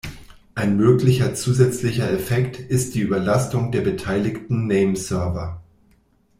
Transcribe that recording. Ein möglicher zusätzlicher Effekt ist die Überlastung der beteiligten Nameserver.